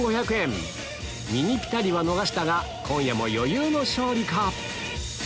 ミニピタリは逃したが今夜も余裕の勝利か？